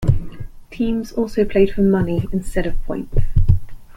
Teams also played for money instead of points.